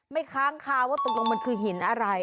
ค้างคาว่าตกลงมันคือหินอะไร